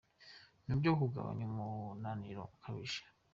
Ni uburyo bwo kugabanya umunaniro ukabije.